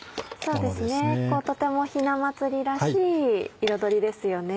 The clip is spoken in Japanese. そうですねとてもひな祭りらしい彩りですよね。